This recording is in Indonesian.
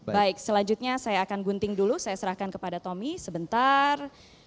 baik selanjutnya saya akan gunting dulu saya serahkan kepada tommy sebentar